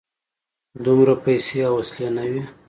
دومره پیسې او وسلې نه وې.